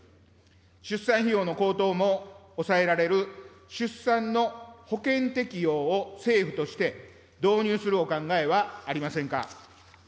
出産費用の高騰も抑えられる、出産の保険適用を政府として導入するお考えはありませんか。